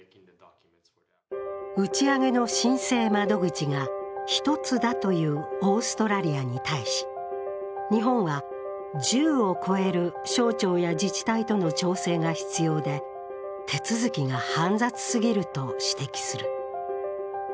打ち上げの申請窓口が１つだというオーストラリアに対し、日本は１０を超える省庁や自治体との調整が必要で、手続きが煩雑すぎると指摘する。